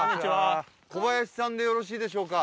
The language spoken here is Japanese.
小林さんでよろしいでしょうか？